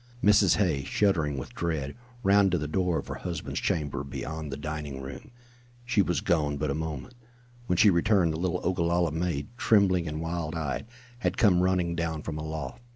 Mrs. Hay, shuddering with dread, ran to the door of her husband's chamber beyond the dining room. She was gone but a moment. When she returned the little Ogalalla maid, trembling and wild eyed, had come running down from aloft.